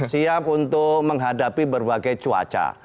siap untuk menghadapi berbagai cuaca